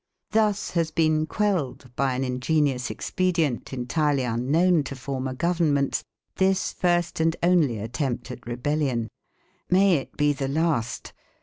Thus has been quelled by an ingenious expedient entirely unknown to former governments, this first and only attempt at rebellion. May it be the last.